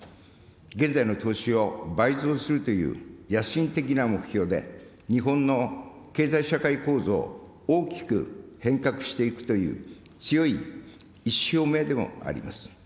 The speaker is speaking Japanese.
現在の投資を倍増するという野心的な目標で、日本の経済社会構造を大きく変革していくという強い意思表明でもあります。